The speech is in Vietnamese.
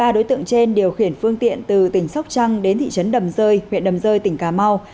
ba đối tượng trên điều khiển phương tiện từ tỉnh sóc trăng đến thị trấn đầm rơi huyện đầm rơi tỉnh cà mau